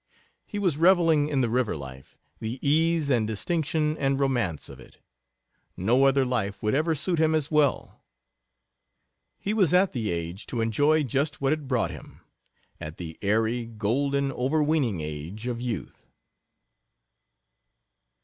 He was reveling in the river life, the ease and distinction and romance of it. No other life would ever suit him as well. He was at the age to enjoy just what it brought him at the airy, golden, overweening age of youth.